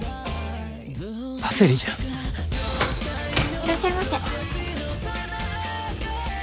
いらっしゃいませ。